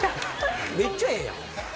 めっちゃええやん。